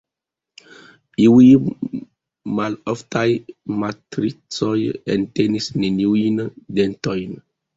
Iuj maloftaj matricoj entenis neniujn dentojn.